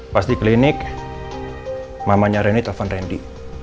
pas di klinik mamanya rendy telfon rendy